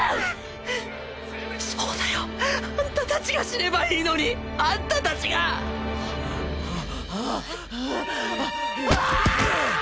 そうだよあんた達が死ねばいいのにあんた達があっあっああ！！